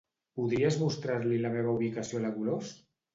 Podries mostrar-li la meva ubicació a la Dolors?